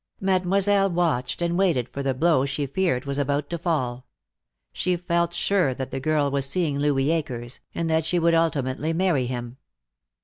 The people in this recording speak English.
Mademoiselle watched and waited for the blow she feared was about to fall. She felt sure that the girl was seeing Louis Akers, and that she would ultimately marry him.